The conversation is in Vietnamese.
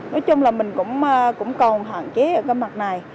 nói chung là mình cũng còn hạn chế ở cái mặt này